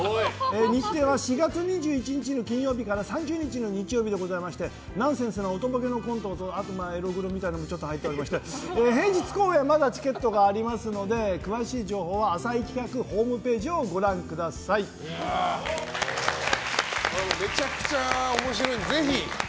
日程は４月２１日の金曜日から３０日の日曜日でございましてナンセンスなおとぼけコントからエログロみたいなのもちょっと入ってまして平日公演はまだチケットがありますので詳しい情報は浅井企画ホームページをめちゃくちゃ面白いんでぜひ。